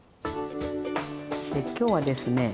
で今日はですね